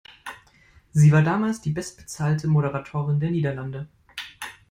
Sie war damals die bestbezahlte Moderatorin der Niederlande.